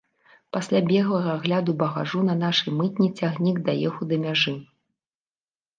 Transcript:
Пасля беглага агляду багажу на нашай мытні цягнік даехаў да мяжы.